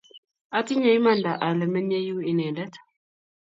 Atinye imanda ale menyei yu inendet